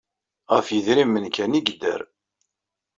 Ɣef yedrimen kan ay yedder.